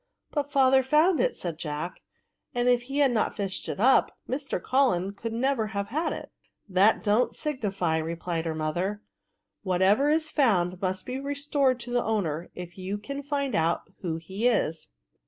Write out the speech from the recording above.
" But father found it," said Jack ;*' and if he had not fished it up, Mr. Cullen could never have had it." " Thatdon't signify,'' replied his mother; *' whateverls found must be restored to the owner, if you can find out who he is."